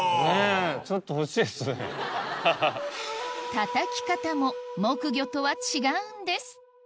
たたき方も木魚とは違うんです